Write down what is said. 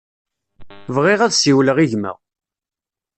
Bɣiɣ ad siwleɣ i gma.